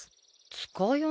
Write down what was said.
塚山。